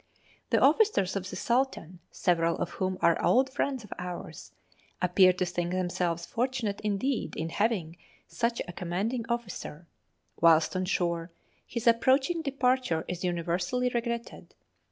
The officers of the 'Sultan,' several of whom are old friends of ours, appear to think themselves fortunate indeed in having such a commanding officer, whilst on shore his approaching departure is universally regretted.